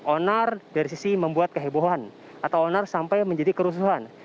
onar dari sisi membuat kehebohan atau onar sampai menjadi kerusuhan